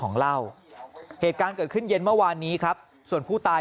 ของเล่าเหตุการณ์เกิดขึ้นเย็นเมื่อวานนี้ครับส่วนผู้ตาย